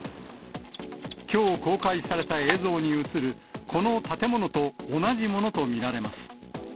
きょう公開された映像に写る、この建物と同じものと見られます。